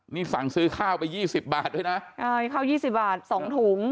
นี่สั่งซื้อข้าวไป๒๐บาทด้วยนะข้าว๒๐บาท๒ถุง